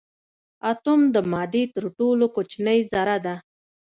اتوم د مادې تر ټولو کوچنۍ ذره ده.